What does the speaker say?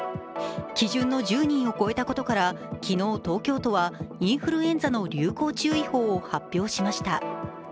基準の１０人を超えたことから昨日、東京都はインフルエンザの流行注意報を発表しました。